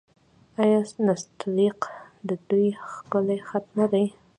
آیا نستعلیق د دوی ښکلی خط نه دی؟